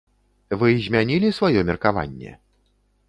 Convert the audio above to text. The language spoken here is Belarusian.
Вы змянілі сваё меркаванне?